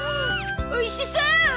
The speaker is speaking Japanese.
おいしそう！